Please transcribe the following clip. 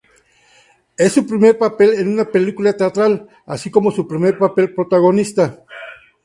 Es su primer papel en una película teatral, así como su primer papel protagonista.